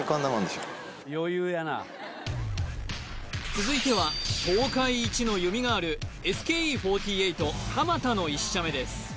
続いては東海一の弓ガールＳＫＥ４８鎌田の１射目です